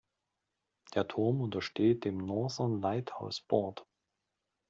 Der Turm untersteht dem Northern Lighthouse Board.